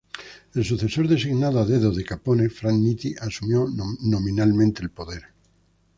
El sucesor designado a dedo de Capone, Frank Nitti asumió nominalmente el poder.